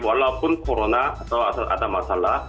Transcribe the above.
walaupun corona atau ada masalah